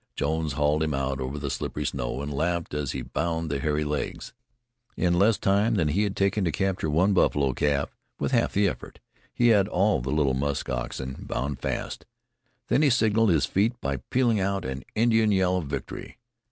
Jones hauled him out over the slippery snow and laughed as he bound the hairy legs. In less time than he had taken to capture one buffalo calf, with half the escort, he had all the little musk oxen bound fast. Then he signaled this feat by pealing out an Indian yell of victory.